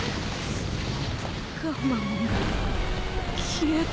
ガンマモンが消えた。